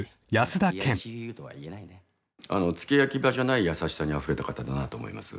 付け焼き刃じゃない優しさにあふれた方だなと思います。